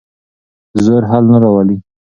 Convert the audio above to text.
زور حل نه راولي.